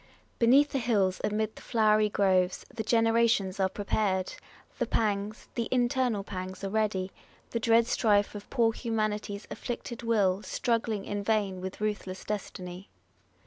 Beneath the hills, amid the flowery groves, The generations are prepar'd ; the pangs, The internal pangs, are ready ; the dread strife Of poor humanity's afflicted will Struggling in vain with ruthless destiny.